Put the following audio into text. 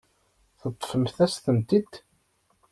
Ṭṭfemt-as-tent-id.